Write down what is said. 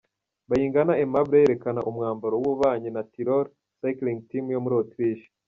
Bayingana Aimable yerekana umwambaro w'ububanyi na Tirol Cycling Team yo muri Autriche.